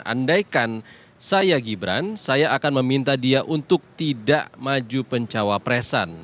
andaikan saya gibran saya akan meminta dia untuk tidak maju pencawapresan